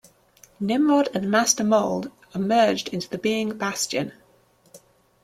Nimrod and Master Mold are merged into the being Bastion.